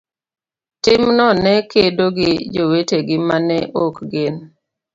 timno ne kedo gi jowetegi ma ne ok gin